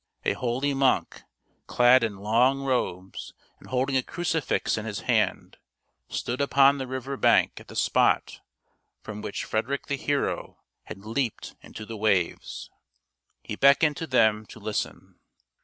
A holy monk, clad in long robes and holding a crucifix in his hand, stood upon the river bank at the spot from which Frederick the hero had leaped into the waves. He beckoned to them to listen.